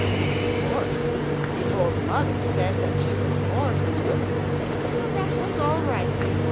And of course the old mother said that she was more than willing. So that was all right.